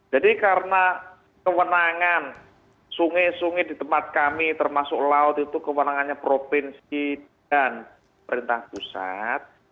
jadi karena kewenangan sungai sungai di tempat kami termasuk laut itu kewenangannya provinsi dan pemerintah pusat